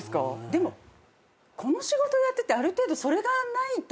でもこの仕事やっててある程度それがないと。